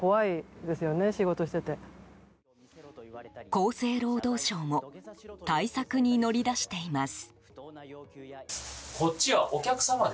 厚生労働省も対策に乗り出しています。